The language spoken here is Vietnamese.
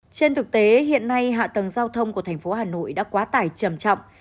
trên thực tế hiện nay hạ tầng giao thông của thành phố hà nội đã quá tải trầm trọng